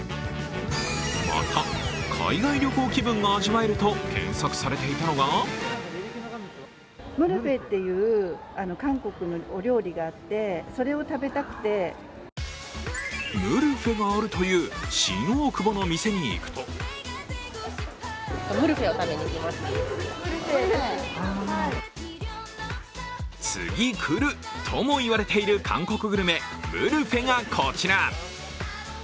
また、海外旅行気分が味わえると検索されていたのがムルフェがあるという新大久保の店に行くと次くる？とも言われている韓国グルメ、ムルフェがこちら。